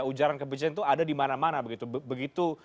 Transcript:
ujaran kebijakan itu ada dimana mana begitu